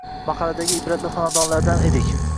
Mahalladagi ibratli xonadonlardan edik